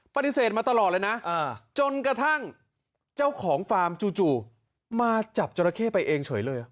ปฏิเสธมาตลอดเลยนะจนกระทั่งเจ้าของฟาร์มจู่มาจับจราเข้ไปเองเฉยเลย